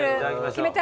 決めた？